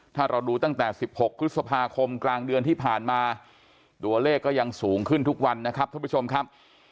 ถ้าเราดูตั้งแต่๑๖พฤษภาคมกลางเดือนที่ผ่านมาตัวเลขก็ยังสูงขึ้นทุกวันนะครับท่านผู้ชมครับ